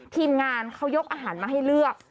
ทีมงานเขายกอาหารมาให้เลือก